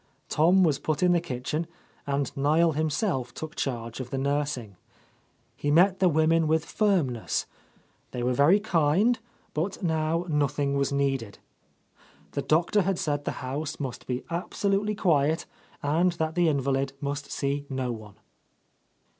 Tom was put in the kitchen, and Niel himself took charge of the nursing. He met the women with — 140 — A Lost Lady firmness: they were very kind, but now nothing was needed. The Doctor had said the house must be absolutely quiet and that the invalid must see no one.